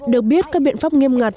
được biết các biện pháp nghiêm ngặt